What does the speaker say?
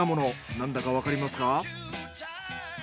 なんだかわかりますか？